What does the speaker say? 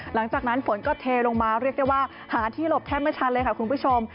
หลังจากนั้นฝนก็เทลงมาเรียกได้ว่าหาที่หลบแทบไม่ทันเลยค่ะคุณผู้ชม